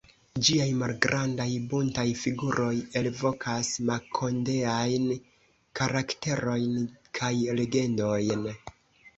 Ĝiaj malgrandaj buntaj figuroj elvokas makondeajn karakterojn kaj legendojn.